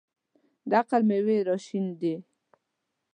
د عقل مېوې راشنېدې.